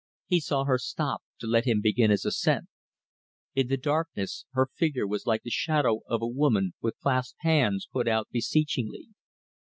He saw her stop to let him begin his ascent. In the darkness her figure was like the shadow of a woman with clasped hands put out beseechingly.